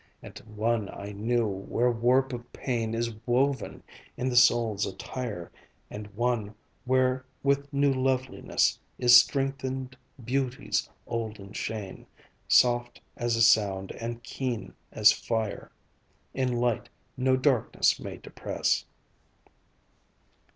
And one I knew, where warp of pain Is woven in the soul's attire; And one, where with new loveliness Is strengthened Beauty's olden chain Soft as a sound, and keen as fire In light no darkness may depress.